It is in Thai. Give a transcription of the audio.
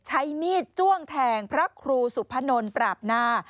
ใช้มีดจ้วงแทงพระครูสุพนลปราบนา